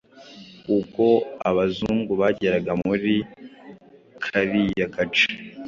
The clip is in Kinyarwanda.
ubwo abazungu bageraga muri kariya gace